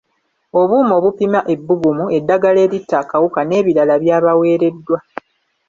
Obuuma obupima ebbugumu, eddagala eritta akawuka n'ebirala byabaweereddwa.